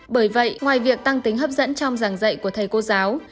bởi vậy ngoài việc tăng tính hấp dẫn trong giảng dạy của thầy cô giáo